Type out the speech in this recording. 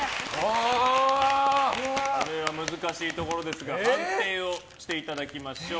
これは難しいところですが判定をしていただきましょう。